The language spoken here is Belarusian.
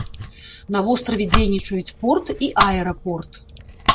На востраве дзейнічаюць порт і аэрапорт.